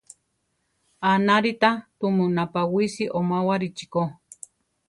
Anárita tumu napawisi omáwarichi ko.